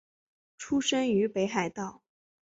出身于北海道。